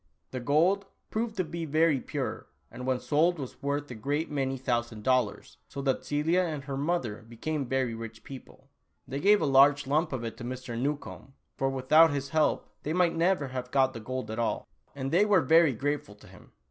The gold proved to be very pure and when sold was worth a great many thousand dollars, so that Celia and her mother became very rich people. They gave a large lump of it to Mr. Newcombe, for without his help they might never have got the gold at all, and they were very grateful to him.